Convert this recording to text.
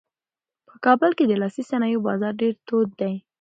په کابل کې د لاسي صنایعو بازار ډېر تود دی.